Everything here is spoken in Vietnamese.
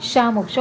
sau một ngày